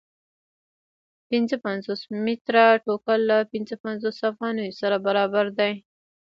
پنځه پنځوس متره ټوکر له پنځه پنځوس افغانیو سره برابر دی